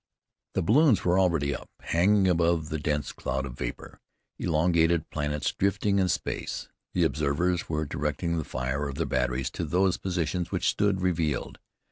The balloons were already up, hanging above the dense cloud of vapor, elongated planets drifting in space. The observers were directing the fire of their batteries to those positions which stood revealed.